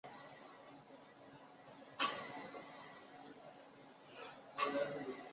黑体辐射指处于热力学平衡态的黑体发出的电磁辐射。